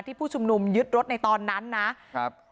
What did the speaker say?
ที่ผู้ชุมนุมยึดรถในตอนนั้นนะ